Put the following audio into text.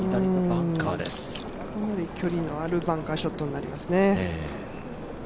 距離のあるバンカーショットになりますね。